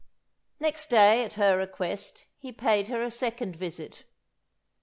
Next day, at her request, he paid her a second visit.